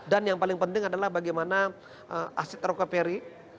dan yang paling penting adalah bagaimana aset roka peri